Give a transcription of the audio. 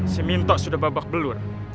semintok sudah babak belur